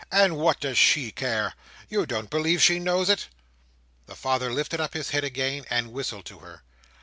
And what does she care! You don't believe she knows it?" The father lifted up his head again, and whistled to her.